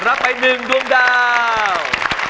รับไป๑ดวงดาว